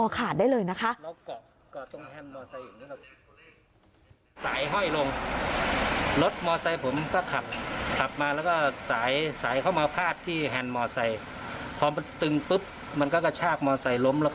ขาดได้เลยนะคะ